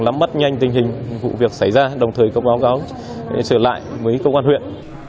nắm bắt nhanh tình hình vụ việc xảy ra đồng thời có báo cáo trở lại với công an huyện